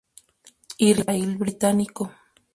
Y Raíl británico.